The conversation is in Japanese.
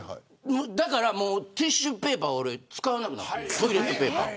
だからもうティッシュペーパーを使わなくなった。